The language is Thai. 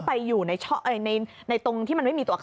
ไปอยู่ในตรงที่มันไม่มีตัวอักษ